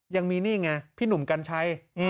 ยังมีนี่ไงพี่หนุ่มกัญชัย